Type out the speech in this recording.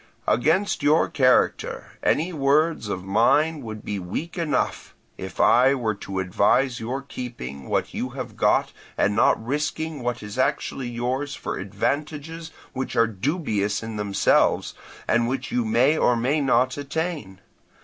Against your character any words of mine would be weak enough, if I were to advise your keeping what you have got and not risking what is actually yours for advantages which are dubious in themselves, and which you may or may not attain.